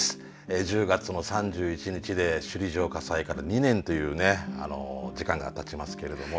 １０月の３１日で首里城火災から２年というね時間がたちますけれども。